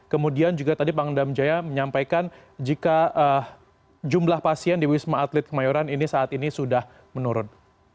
kemudian juga tadi pangdam jaya menyampaikan jika jumlah pasien di wisma atlet kemayoran ini saat ini sudah menurun